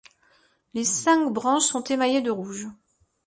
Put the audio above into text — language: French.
Les cinq branches sont émaillées de rouge.